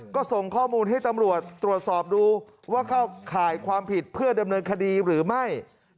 ก็ส่งข้อมูลให้ตำรวจตรวจสอบดูว่าเข้าข่ายความผิดเพื่อดำเนินคดีหรือไม่